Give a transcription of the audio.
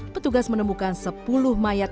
petugas menemukan sepuluh mayat